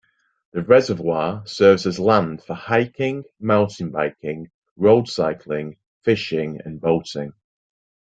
The reservoir serves as land for hiking, mountain biking, road cycling, fishing, and boating.